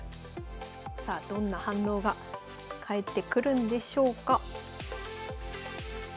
さあどんな反応が返ってくるんでしょうか。